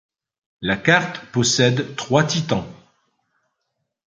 La carte possède trois titans.